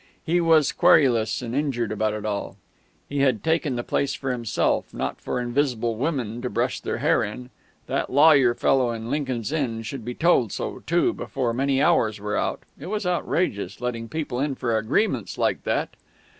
He was querulous and injured about it all. He had taken the place for himself, not for invisible women to brush their hair in; that lawyer fellow in Lincoln's Inn should be told so, too, before many hours were out; it was outrageous, letting people in for agreements like that!